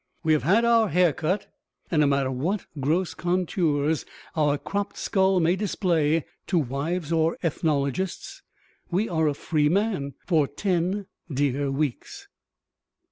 We have had our hair cut, and no matter what gross contours our cropped skull may display to wives or ethnologists, we are a free man for ten dear weeks.